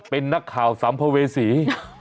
เป็นนักข่าวสัมภเวษี